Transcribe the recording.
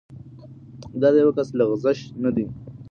دا د یوه کس لغزش نه دی.